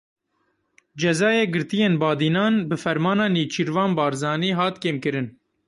Cezayê girtiyên Badînan bi fermana Nêçîrvan Barzanî hat kêmkirin.